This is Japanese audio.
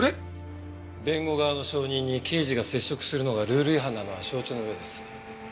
弁護側の証人に刑事が接触するのがルール違反なのは承知の上です。